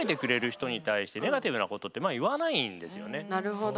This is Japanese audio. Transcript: なるほど。